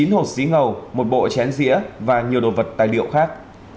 chín hột dí ngầu một bộ chén dĩa và nhiều đồ vật tài liệu khác